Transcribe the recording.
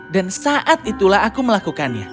dan saat itulah aku melakukannya